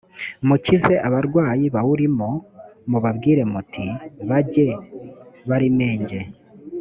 mukize abarwayi bawurimo mubabwire muti bajye barimenjye